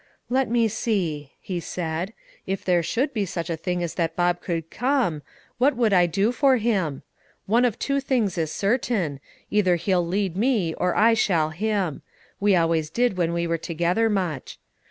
"Let me see," he said; "if there should be such a thing as that Bob could come, what would I do for him? One of two things is certain, either he'll lead me or I shall him; we always did when we were together much.